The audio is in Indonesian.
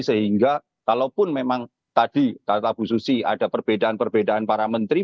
sehingga kalaupun memang tadi kata bu susi ada perbedaan perbedaan para menteri